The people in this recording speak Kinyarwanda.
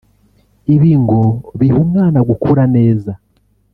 Ibi ngo biha umwana gukura neza